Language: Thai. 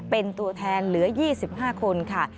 เป็นตัวแทนเหลือ๒๕คนค่ะ